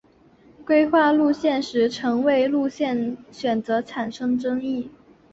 规划路线时曾为了路线选择产生争议。